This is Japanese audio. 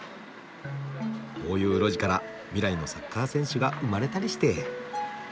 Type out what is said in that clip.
こういう路地から未来のサッカー選手が生まれたりして。